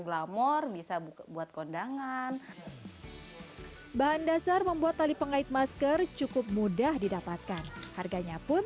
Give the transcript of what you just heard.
glamor bisa buat kondangan bahan dasar membuat tali pengait masker cukup mudah didapatkan harganya pun